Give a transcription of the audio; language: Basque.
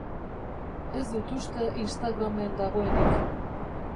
Ez dut uste Instagramen dagoenik.